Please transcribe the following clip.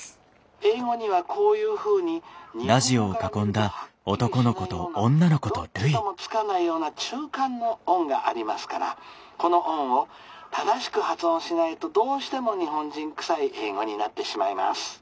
「英語にはこういうふうに日本語から見るとはっきりしないようなどっちともつかないような中間の音がありますからこの音を正しく発音しないとどうしても日本人くさい英語になってしまいます。